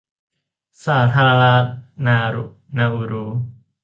สาธารณรัฐนาอูรู